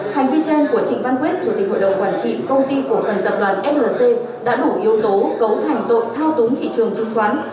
hành vi trên của trịnh văn quyết chủ tịch hội đồng quản trị công ty cổ phần tập đoàn flc đã đủ yếu tố cấu thành tội thao túng thị trường chứng khoán